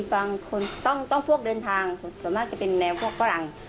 บางคนต้องพวกเดินทางส่วนมากจะเป็นแนวพวกฝรั่ง